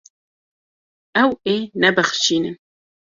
Ew ê nebexşînin.